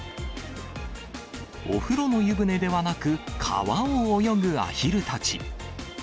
お風呂の湯船ではなく、川を泳ぐアヒルたち。